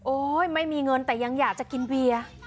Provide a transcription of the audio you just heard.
ไม่มีเงินแต่ยังอยากจะกินเวีย